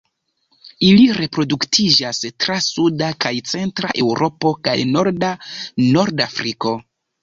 Ili reproduktiĝas tra suda kaj centra Eŭropo kaj norda Nordafriko.